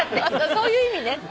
そういう意味ね。